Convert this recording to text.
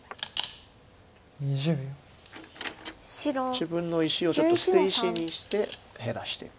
自分の石をちょっと捨て石にして減らしていく。